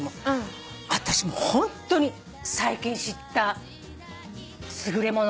あたしもうホントに最近知った優れもの。